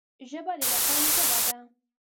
ژبه د وطن ژبه ده